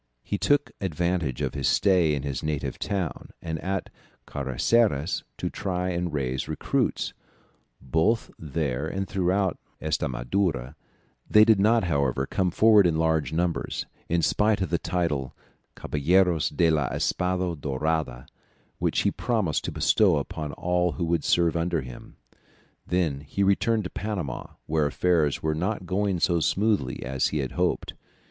He took advantage of his stay in his native town, and at Caceres, to try to raise recruits, both there and throughout Estramadura; they did not, however, come forward in large numbers, in spite of the title of Caballeros de la Espado dorada which he promised to bestow upon all who would serve under him. Then he returned to Panama, where affairs were not going so smoothly as he had hoped.